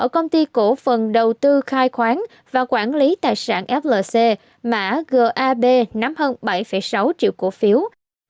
ở công ty cổ phần đầu tư khai khoáng và quản lý tài sản flc mã gab nắm hơn bảy sáu triệu tỷ đồng